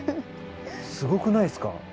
すごくないっすか？